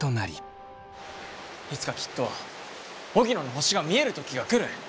いつかきっと荻野の星が見える時が来る！